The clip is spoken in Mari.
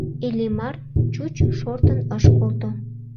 Иллимар чуч шортын ыш колто.